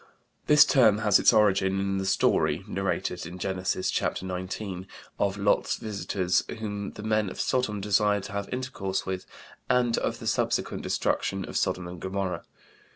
This term has its origin in the story (narrated in Genesis, ch. xix) of Lot's visitors whom the men of Sodom desired to have intercourse with, and of the subsequent destruction of Sodom and Gomorrah.